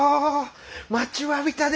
待ちわびたで！